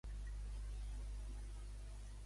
Quina actuació de Rivera defensa?